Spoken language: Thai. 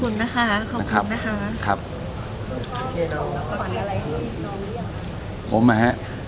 ขอบคุณนะคะขอบคุณนะคะ